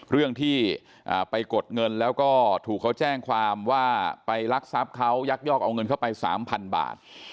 เรื่องที่ไปกดเงินแล้วก็ถูกเขาแจ้งความว่าไปรักทรัพย์เขายักยอกเอาเงินเข้าไป๓๐๐บาท